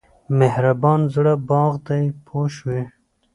مهربان زړه باغ دی پوه شوې!.